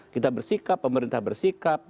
kita bersikap pemerintah bersikap